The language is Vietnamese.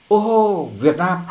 ô việt nam